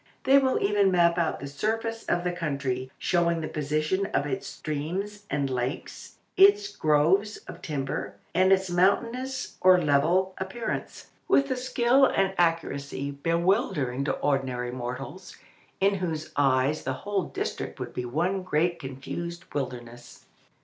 They will even map out the surface of the country, showing the position of its streams and lakes, its groves of timber, and its mountainous or level appearance, with a skill and accuracy bewildering to ordinary mortals, in whose eyes the whole district would be one great confused wilderness.